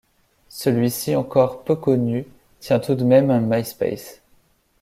Celui-ci encore peu connu tient tout de même un myspace.